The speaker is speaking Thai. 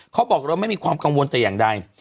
เขาบอกเราไม่มีความกังวลแต่อย่างใด